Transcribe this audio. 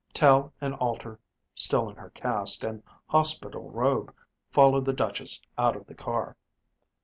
Tel and Alter, still in her cast and hospital robe, followed the Duchess out of the car.